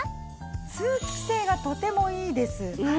通気性がとてもいいです。